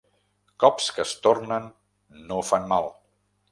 Cops que es tornen no fan mal.